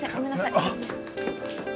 あっ。